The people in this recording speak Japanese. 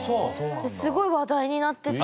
すごい話題になってて。